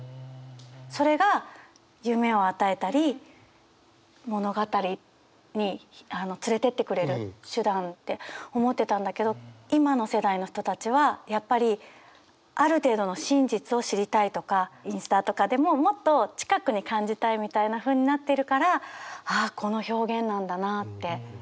それが夢を与えたり物語に連れてってくれる手段って思ってたんだけど今の世代の人たちはやっぱりある程度の真実を知りたいとかインスタとかでももっと近くに感じたいみたいなふうになっているからああこの表現なんだなって。